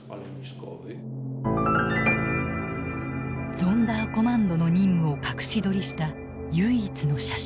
ゾンダーコマンドの任務を隠し撮りした唯一の写真。